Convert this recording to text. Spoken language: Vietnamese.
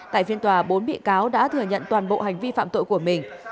tại phiên tòa bốn bị cáo đã thừa nhận toàn bộ hành vi phạm tội của mình